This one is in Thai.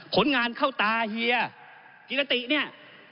ผลงานเข้าตาเฮียกิรติเนี่ย